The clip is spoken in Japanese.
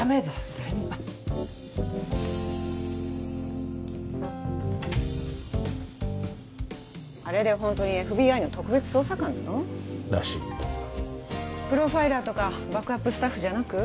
先輩あれでホントにＦＢＩの特別捜査官なの？らしいプロファイラーとかバックアップスタッフじゃなく？